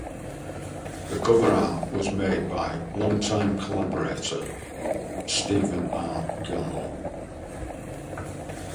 The cover art was made by longtime collaborator Steven R. Gilmore.